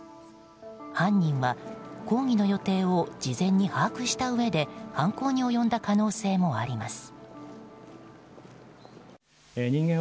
犯人は講義の予定を事前に把握したうえで犯行に及んだ可能性もあります。